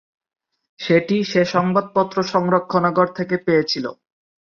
সেটি সে সংবাদপত্র সংরক্ষণাগার থেকে পেয়েছিল।